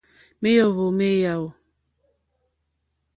Mèóhwò mé yáò.